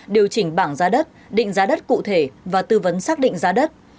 điều chỉnh bảng giá đất định giá đất cụ thể và tư vấn xác định giá đất